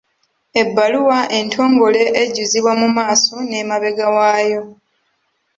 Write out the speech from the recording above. Ebbaluwa entongole ejjuzibwa mu maaso n’emabega waayo.